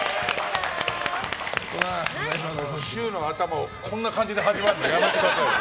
週の頭をこんな感じで始まるのやめてくださいよ。